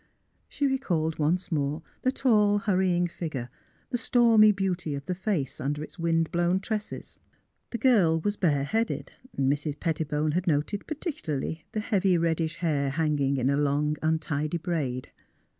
She recalled once more the tall, hurrying figure; the stormy beauty of the face under its wind blown tresses. The girl was bare headed; Mrs. Pettibone had noticed j^articularly the heavy reddish hair hanging in a long untidy braid.